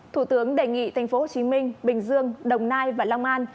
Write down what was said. thủ tướng đề nghị tp hcm bình dương đồng nai và long an